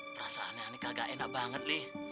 perasaannya ini kagak enak banget nih